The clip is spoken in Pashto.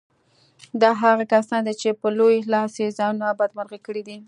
دا هغه کسان دي چې په لوی لاس يې ځانونه بدمرغه کړي دي.